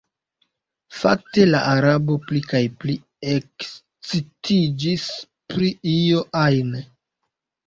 Fakte la Arabo pli kaj pli ekscitiĝis pri io ajn.